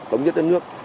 tổng nhất đất nước